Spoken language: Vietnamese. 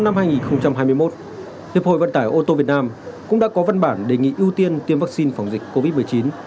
năm hai nghìn hai mươi một hiệp hội vận tải ô tô việt nam cũng đã có văn bản đề nghị ưu tiên tiêm vaccine phòng dịch covid một mươi chín